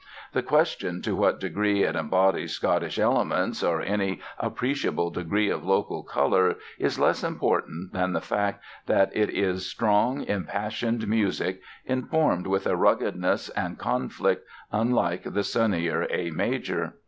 The question to what degree it embodies Scottish elements or any appreciable degree of local colour is less important than the fact that it is strong, impassioned music, informed with a ruggedness and conflict unlike the sunnier A major.